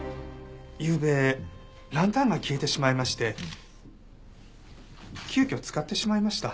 ゆうべランタンが消えてしまいまして急きょ使ってしまいました。